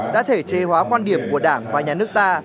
đã thể chế hóa quan điểm của đảng và nhà nước ta